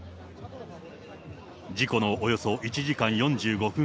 事故のおよそ１時間４５分